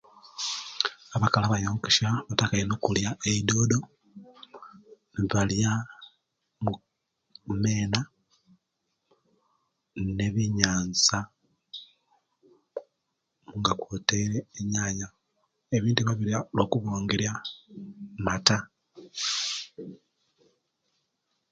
Abakali abayonkesya battaka ino okulya eidodo nibalya omeena ne'binyanza nga kwotailw enyanya ebintu ebyo babulya lwakumwongela mata.